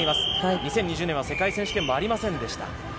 ２０２０年は世界選手権もありませんでした。